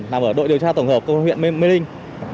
làm ở đội điều tra tổng hợp công viện mê linh